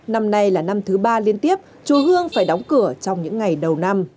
năm nay là năm thứ ba liên tiếp chùa hương phải đóng cửa trong những ngày đầu năm